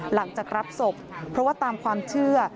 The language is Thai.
หลังจากรับศพเพราะว่าตามความเชื่อ